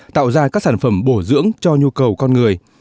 tạo ra các sản phẩm bổ dưỡng cho nhu cầu con người